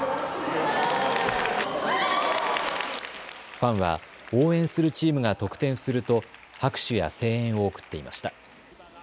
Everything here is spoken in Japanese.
ファンは応援するチームが得点すると拍手や声援を送っていました。